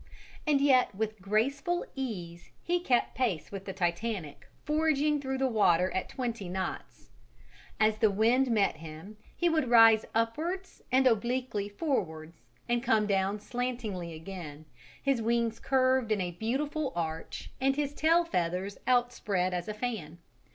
And yet with graceful ease he kept pace with the Titanic forging through the water at twenty knots: as the wind met him he would rise upwards and obliquely forwards, and come down slantingly again, his wings curved in a beautiful arch and his tail feathers outspread as a fan.